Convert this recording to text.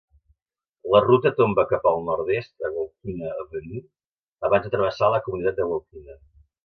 La ruta tomba cap al nord-est a Waukena Avenue abans de travessar la comunitat de Waukena.